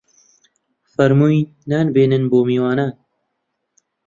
فەرمووی: نانی بێنن بۆ میوانان